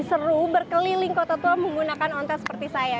seru berkeliling kota tua menggunakan ontes seperti saya